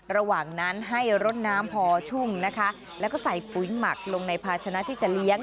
ระหว่างนั้นให้รดน้ำพอชุ่มนะคะแล้วก็ใส่ปุ๋ยหมักลงในภาชนะที่จะเลี้ยง